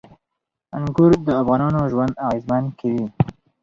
انګور د افغانانو ژوند اغېزمن کوي.